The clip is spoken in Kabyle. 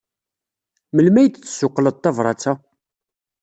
Melmi ay d-tessuqqleḍ tabṛat-a?